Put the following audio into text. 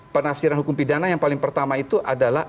penafsiran hukum pidana yang paling pertama itu adalah